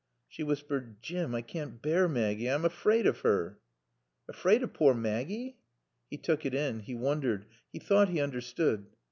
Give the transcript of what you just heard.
She whispered. "Jim I can't bear Maggie. I'm afraid of her." "Afraid o' pore Maaggie?" He took it in. He wondered. He thought he understood.